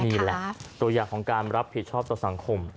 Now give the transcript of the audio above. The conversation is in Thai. นี่แหละตัวอย่างของการรับผิดชอบต่อสังคม